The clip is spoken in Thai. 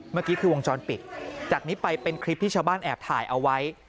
เมื่อกี้คือวงจรปิดจากนี้ไปเป็นคลิปที่ชาวบ้านแอบถ่ายเอาไว้